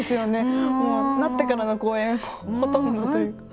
なってからの公演ほとんどというか。